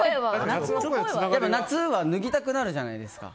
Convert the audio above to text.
夏は脱ぎたくなるじゃないですか。